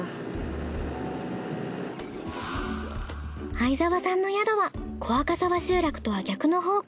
相澤さんの宿は小赤沢集落とは逆の方向。